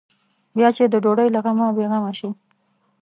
بیا چې د ډوډۍ له غمه بې غمه شي.